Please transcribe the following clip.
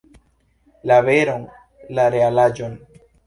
La veron, la realaĵon!